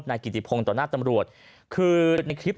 ให้ภัยผมด้วยครับ